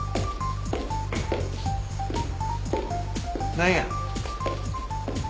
何や？